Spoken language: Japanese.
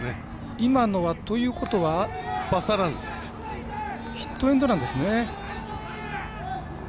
今のは、ということはヒットエンドランですね。